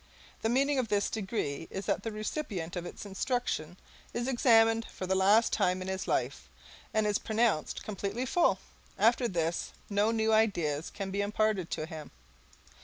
The meaning of this degree is that the recipient of instruction is examined for the last time in his life, and is pronounced completely full. After this, no new ideas can be imparted to him.